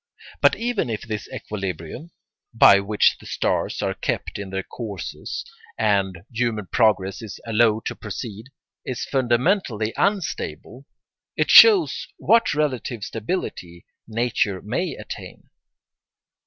But even if this equilibrium, by which the stars are kept in their courses and human progress is allowed to proceed, is fundamentally unstable, it shows what relative stability nature may attain.